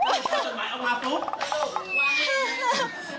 สนุก